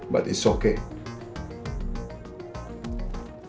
tapi tak apa